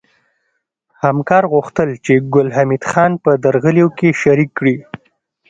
همکار غوښتل چې ګل حمید خان په درغلیو کې شریک کړي